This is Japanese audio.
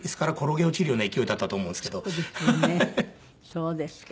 そうですか。